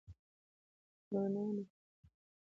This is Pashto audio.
مننه